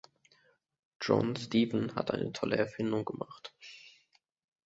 John Steven hat eine tolle Erfindung gemacht.